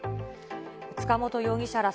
塚本容疑者ら